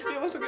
iya masuk ya